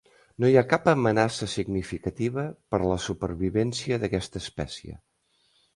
No hi ha cap amenaça significativa per a la supervivència d'aquesta espècie.